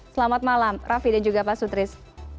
selamat malam raffi dan juga pak sutris